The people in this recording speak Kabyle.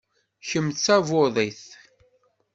Kemm d tabudit?